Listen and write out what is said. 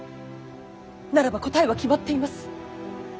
ならば答えは決まっています。